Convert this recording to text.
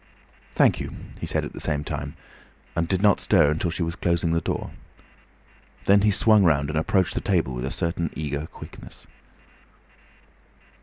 "Thank you," he said at the same time, and did not stir until she was closing the door. Then he swung round and approached the table with a certain eager quickness.